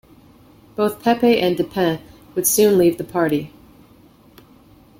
Both Pepe and De Pin would soon leave the party.